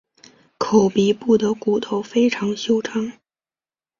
口鼻部的骨头非常修长。